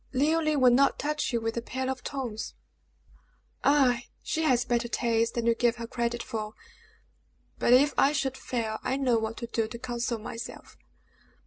Leoline would not touch you with a pair of tongs!" "Ah! she has better taste than you give her credit for; but if I should fail, I know what to do to console myself."